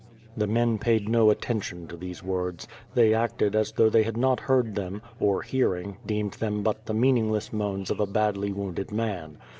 '' The men paid no attention to these words. They acted as though they had not heard them, or hearing, deemed them but the meaningless moans of a badly wounded man.